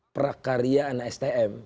prakarya anak stm